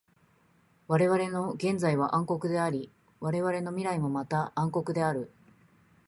われわれの現在は暗黒であり、われわれの未来もまた暗黒である。